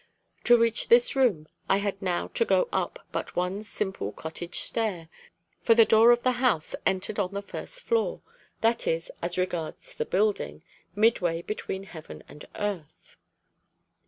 To reach this room I had now to go up but one simple cottage stair; for the door of the house entered on the first floor, that is, as regards the building, midway between heaven and earth.